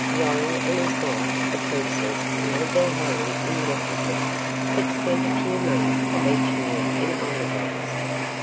Lorry and his wife, the princess, made their home in Washington, but spent a few months of each year in Edelweiss.